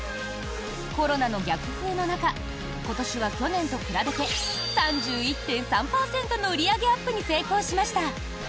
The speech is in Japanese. コロナの逆風の中今年は去年と比べて３１．３％の売り上げアップに成功しました。